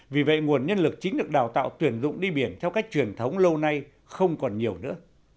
vì vậy nguồn nhân lực chính được đào tạo tuyển dụng đi biển theo cách truyền thống lâu nay không còn nhiều nữa